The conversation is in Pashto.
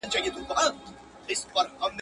هم لقمان مي ستړی کړی هم اکسیر د حکیمانو.